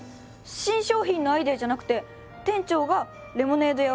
新商品のアイデアじゃなくて店長がレモネード屋を開業するんですか？